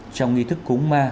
trong nghi thức cúng ma